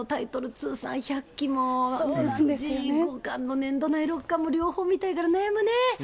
通算１００期も、五冠も六冠も両方見たいから悩むね。